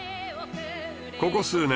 ここ数年